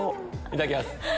いただきます。